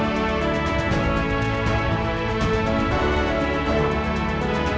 kami tidak tahu apa yang akan terjadi